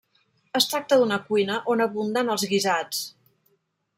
Es tracta d'una cuina on abunden els guisats.